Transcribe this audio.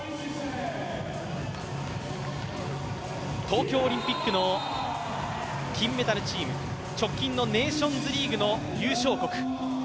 東京オリンピックの金メダルチーム、直近のネーションズリーグの優勝国。